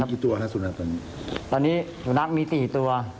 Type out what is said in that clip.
ตอนนี้ตอนนี้สุนัปมีสี่ตัว